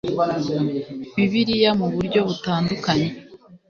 bibiliya mu buryo butandukanye